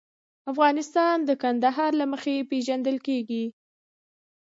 افغانستان د کندهار له مخې پېژندل کېږي.